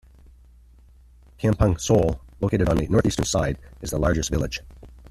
Kampung Sole, located on the northeastern side, is the largest village.